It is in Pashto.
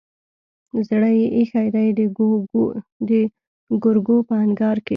زړه يې ايښی دی دګرګو په انګار کې